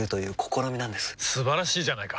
素晴らしいじゃないか！